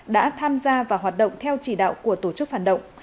đã tham gia và hoạt động theo chỉ đạo của tổ chức phản động